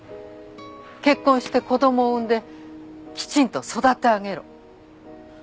結婚して子供を産んできちんと育て上げろ。